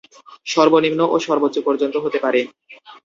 সর্বনিম্ন ও সর্বোচ্চ পর্যন্ত হতে পারে।